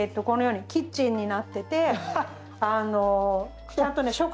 このようにキッチンになってて。